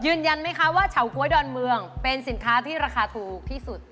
ยืนยันไหมคะว่าเฉาก๊วยดอนเมืองเป็นสินค้าที่ราคาถูกที่สุด